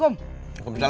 sebenernya kamu mau tidur